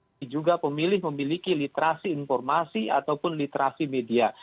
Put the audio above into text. tapi juga pemilih memiliki literasi informasi ataupun literasi media